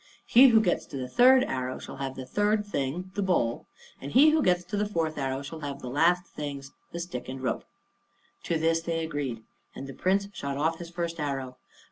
He who gets to the third arrow, shall have the third thing the bowl. And he who gets to the fourth arrow, shall have the last things the stick and rope." To this they agreed. And the Prince shot off his first arrow.